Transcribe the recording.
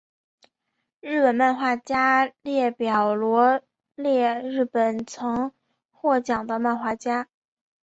日本漫画家列表罗列日本曾获奖的漫画家。